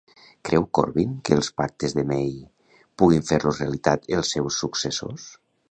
Creu Corbyn que els pactes de May puguin fer-los realitat els seus successors?